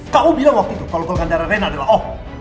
kamu bilang waktu itu kalo golongan darah rena adalah o